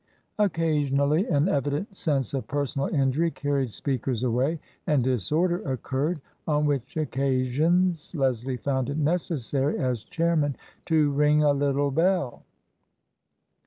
Occa sionally an evident sense of personal injury carried speakers away and disorder occurred ; on which occa sions Leslie found it necessary, as chairman, to ring a little bell.